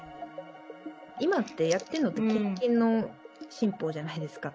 今って、やっているのって、献金の新法じゃないですか。